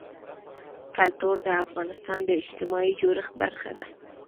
کلتور د افغانستان د اجتماعي جوړښت برخه ده.